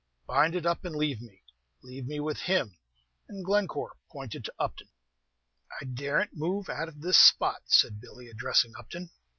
"Bind it up and leave me, leave me with him;" and Glencore pointed to Upton. "I dar' n't move out of this spot," said Billy, addressing Upton.